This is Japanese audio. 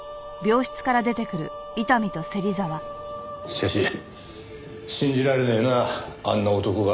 しかし信じられねえなああんな男が。